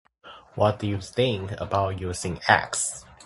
What do you think about using axe?